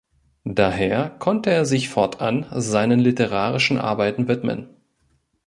Daher konnte er sich fortan seinen literarischen Arbeiten widmen.